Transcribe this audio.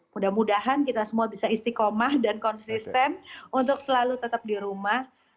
mudah mudahan kita semua bisa istiqomah dan konsisten untuk selalu tetap di rumah